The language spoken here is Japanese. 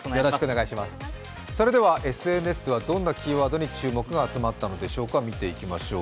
それでは、ＳＮＳではどんなキーワードに注目が集まったのか、見ていきましょう。